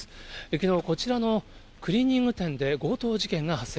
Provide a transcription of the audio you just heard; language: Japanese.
きのう、こちらのクリーニング店で強盗事件が発生。